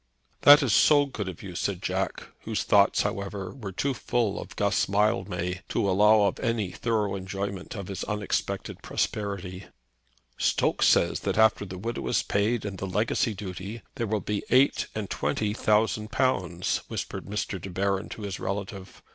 "That is so good of you!" said Jack, whose thoughts, however, were too full of Guss Mildmay to allow of any thorough enjoyment of his unexpected prosperity. "Stokes says that after the widow is paid and the legacy duty there will be eight and twenty thousand pounds!" whispered Mr. De Baron to his relative.